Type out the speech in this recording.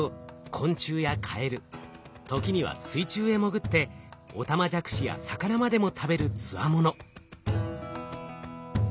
昆虫やカエル時には水中へ潜ってオタマジャクシや魚までも食べるつわもの。